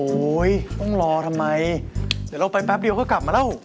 โอ้โหต้องรอทำไมเดี๋ยวเราไปแป๊บเดียวก็กลับมาแล้ว